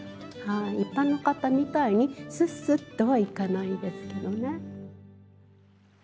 一般の方みたいにスッスッとはいかないですけどね。